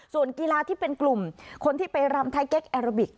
ส่วนกีฬาที่เป็นกลุ่มคนที่ไปรำไทยเก๊กแอโรบิก